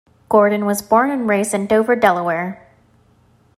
Gordon was born and raised in Dover, Delaware.